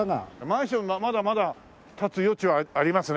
マンションがまだまだ建つ余地はありますね。